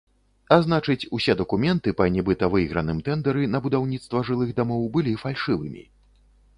А значыць, усе дакументы па нібыта выйграным тэндэры на будаўніцтва жылых дамоў былі фальшывымі.